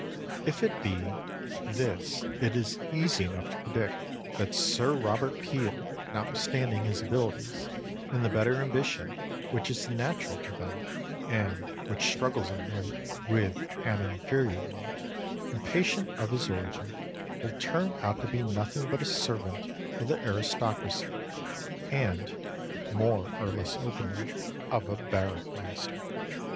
If it be, this it is easy enough to predict, that Sir Robert Peel, notwithstanding his abilities, and the better ambition which is natural to them, and which struggles in him with an inferior one, impatient of his origin, will turn out to be nothing but a servant of the aristocracy, and (more or less openly) of a barrack master.